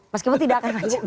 mas eko tidak akan ganjar